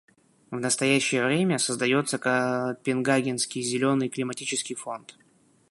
В настоящее время создается Копенгагенский зеленый климатический фонд.